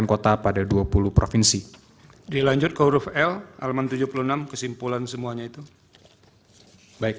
ini adalah hal yang terjadi di dua puluh provinsi